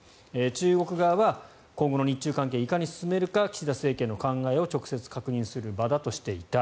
中国側が今後の日中関係をいかに進めるか岸田政権の考えを直接確認する場だとしていた。